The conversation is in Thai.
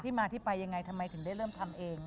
มาที่ไปยังไงทำไมถึงได้เริ่มทำเอง